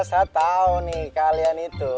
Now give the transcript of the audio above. saya tahu nih kalian itu